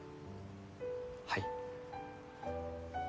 はい。